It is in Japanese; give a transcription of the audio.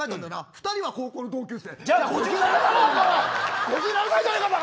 ２人は高校の同級生。